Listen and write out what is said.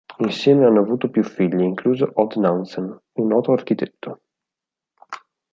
Insieme hanno avuto più figli, incluso Odd Nansen, un noto architetto.